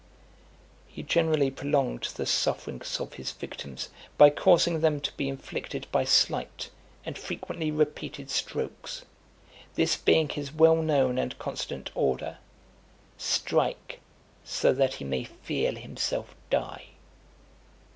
XXX. He generally prolonged the sufferings of his victims by causing them to be inflicted by slight and frequently repeated strokes; this being his well known and constant order: (273) "Strike so that he may feel himself die."